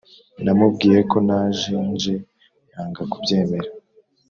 Namubwiye ko naje nje yanga kubyemera